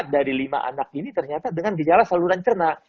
empat dari lima anak ini ternyata dengan gejala saluran cerna